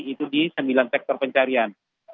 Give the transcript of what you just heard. itu di sembilan sektor pencarian